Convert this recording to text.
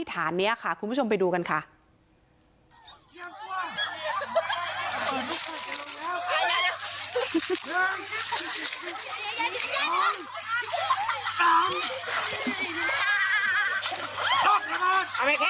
สี่เฮ่าสอยขึ้นมาสอยขึ้นมาแสง